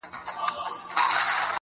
هغه ښايسته بنگړى په وينو ســـور دى.